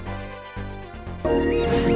saya harus menghargai